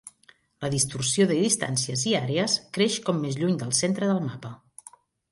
La distorsió de distàncies i àrees creix com més lluny del centre del mapa.